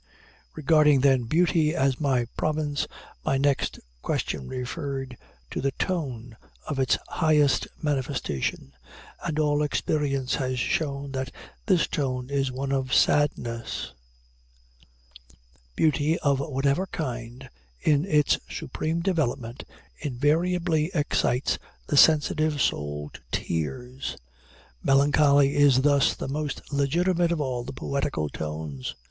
Regarding, then, Beauty as my province, my next question referred to the tone of its highest manifestation and all experience has shown that this tone is one of sadness. Beauty of whatever kind, in its supreme development, invariably excites the sensitive soul to tears. Melancholy is thus the most legitimate of all the poetical tones.